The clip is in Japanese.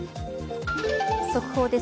速報です。